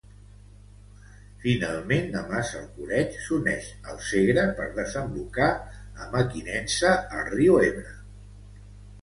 Finalment, a Massalcoreig, s'uneix al Segre per desembocar a Mequinensa al riu Ebre.